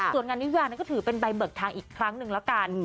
ส่วนงานวิวาก็ถือเป็นใบเบิกทางอีกครั้งหนึ่งแล้วกัน